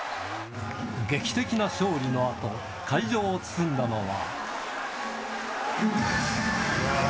劇的な勝利のあと、会場を包んだのは。